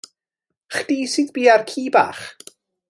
Chdi sydd bia'r ci bach?